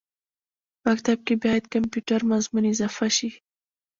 مکتب کښې باید کمپیوټر مضمون اضافه شي